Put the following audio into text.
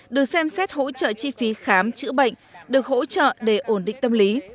được xem xét hỗ trợ chi phí khám chữa bệnh được hỗ trợ để ổn định tâm lý